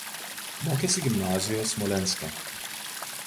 Mokėsi gimnazijoje Smolenske.